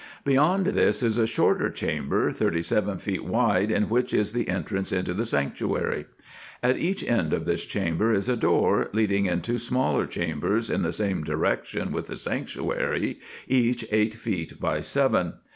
Beyond this is a shorter chamber, thirty seven feet wide, in which is the entrance into the sanctuary. At each end of this chamber is a door, leading into smaller chambers in the same direction with the sanctuary, each eight feet by seven.